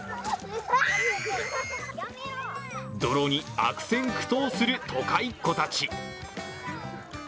泥に悪戦苦闘する都会っ子たち。